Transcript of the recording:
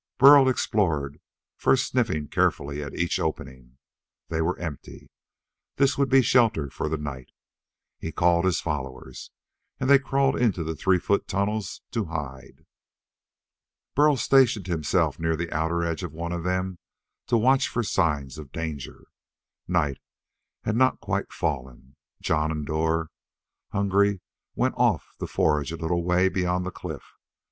Burl explored, first sniffing carefully at each opening. They were empty. This would be shelter for the night. He called his followers, and they crawled into the three foot tunnels to hide. Burl stationed himself near the outer edge of one of them to watch for signs of danger. Night had not quite fallen. Jon and Dor, hungry, went off to forage a little way beyond the cliff.